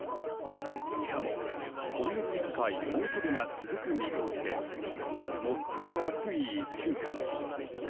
しかも今月いっぱい猛暑日が続く見通しで最も暑い１週間に。